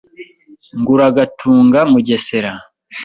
Ngo uragatunga Mugesera